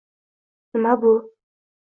— Nima bu?